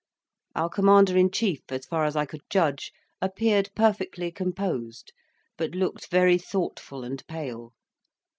Our commander in chief, as far as I could judge, appeared perfectly composed; but looked very thoughtful and pale.